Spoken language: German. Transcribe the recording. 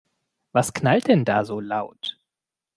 Was knallt denn da so laut?